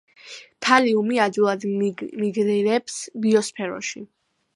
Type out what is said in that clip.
თალიუმი ადვილად მიგრირებს ბიოსფეროში.